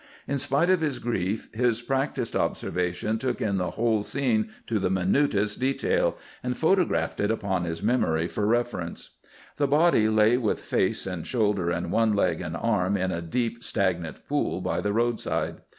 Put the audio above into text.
In spite of his grief, his practised observation took in the whole scene to the minutest detail, and photographed it upon his memory for reference. The body lay with face and shoulder and one leg and arm in a deep, stagnant pool by the roadside.